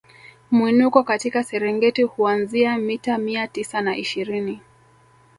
Mwinuko katika Serengeti huanzia mita mia tisa na ishirini